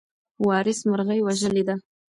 وارث مرغۍ وژلې ده.